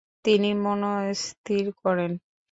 তিনি মনস্থির করেন।